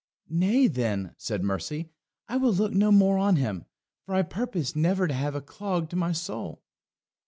"Nay, then," said Mercy, "I will look no more on him, for I purpose never to have a clog to my soul."